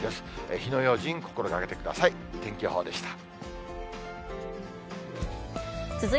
火の用心、心がけてください。